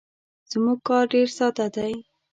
زموږ کار ډیر ساده دی.